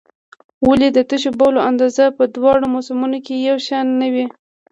ولې د تشو بولو اندازه په دواړو موسمونو کې یو شان نه وي؟